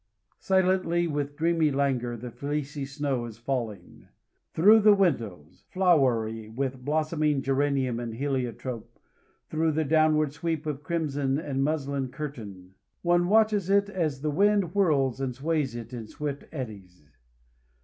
Silently, with dreamy languor, the fleecy snow is falling. Through the windows, flowery with blossoming geranium and heliotrope, through the downward sweep of crimson and muslin curtain, one watches it as the wind whirls and sways it in swift eddies.